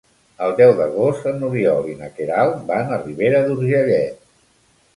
El deu d'agost n'Oriol i na Queralt van a Ribera d'Urgellet.